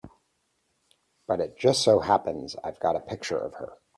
But it just so happens I've got a picture of her.